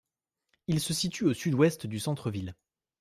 Il se situe au sud-ouest du centre-ville.